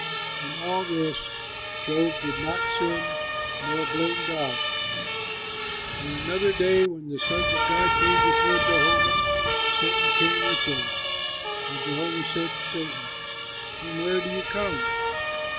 In all this Job did not sin nor blame God. On another day when the sons of God came before Jehovah, Satan came with them. And Jehovah said to Satan, "From where do you come?"